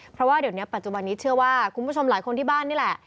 เพราะว่าเดี๋ยวนี้ปัจจุบันนี้เชื่อว่าคุณผู้ชมหลายคนที่บ้านนี่แหละ